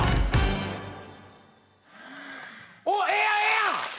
おおええやんええやん！